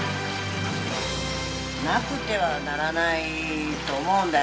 なくてはならないと思うんだよ